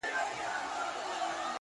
• زلمي بېریږي له محتسبه -